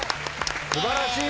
素晴らしい！